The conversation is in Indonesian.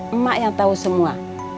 emak yang tahu semua